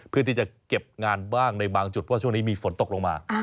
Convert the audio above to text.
เพื่อที่จะเก็บงานบ้างในบางจุดเพราะช่วงนี้มีฝนตกลงมา